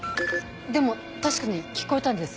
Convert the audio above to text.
でも確かに聞こえたんです。